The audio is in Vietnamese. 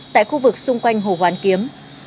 tại khu vực xung quanh hồ hoàn kiếm